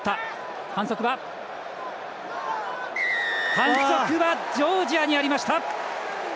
反則はジョージアにありました！